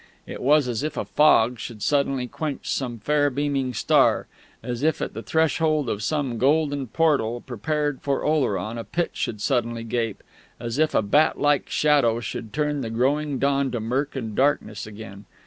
It was as if a fog should suddenly quench some fair beaming star, as if at the threshold of some golden portal prepared for Oleron a pit should suddenly gape, as if a bat like shadow should turn the growing dawn to mirk and darkness again....